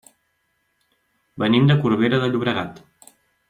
Venim de Corbera de Llobregat.